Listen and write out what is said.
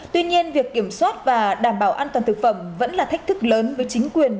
tuy nhiên việc kiểm soát và đảm bảo an toàn thực phẩm vẫn là thách thức lớn với chính quyền